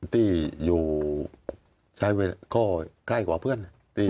ที่อยู่ใกล้กว่าเพื่อน